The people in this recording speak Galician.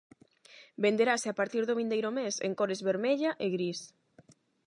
Venderase a partir do vindeiro mes en cores vermella e gris.